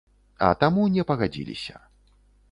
А таму не пагадзіліся.